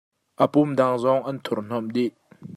A pum dang zong an thurhnawm dih.